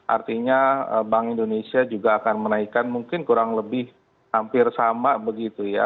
artinya bank indonesia juga akan menaikkan mungkin kurang lebih hampir sama begitu ya